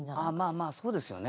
まあまあそうですよね。